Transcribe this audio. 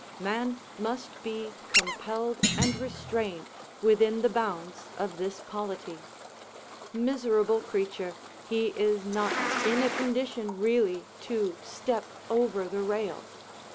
Man must be compelled and restrained within the bounds of this polity. Miserable creature! he is not in a condition really to step over the rail.